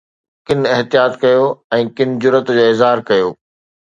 ڪن احتياط ڪيو ۽ ڪن جرئت جو اظهار ڪيو